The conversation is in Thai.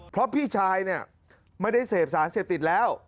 เพราะพี่ชายเนี่ยไม่ได้เสพสารเสพติดแล้ว